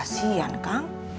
malah dikasih ya kang